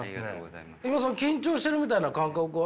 今緊張してるみたいな感覚は？